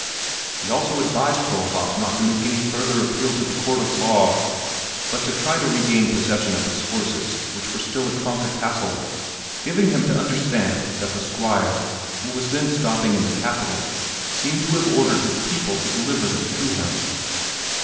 He also advised Kohlhaas not to make any further appeal to the court of law, but to try to regain possession of his horses which were still at Tronka Castle, giving him to understand that the Squire, who was then stopping in the capital, seemed to have ordered his people to deliver them to him.